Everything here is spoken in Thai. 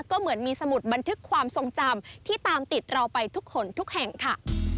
ก็เหมือนมีสมุดบันทึกความทรงจำที่ตามติดเราไปทุกคนทุกแห่งค่ะ